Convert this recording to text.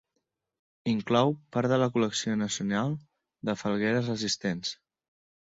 Inclou part de la col·lecció nacional de falgueres resistents.